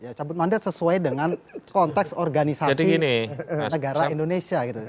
ya cabut mandat sesuai dengan konteks organisasi negara indonesia gitu